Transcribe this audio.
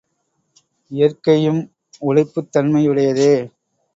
இயற்கையும் உழைப்புத் தன்மையுடையதே.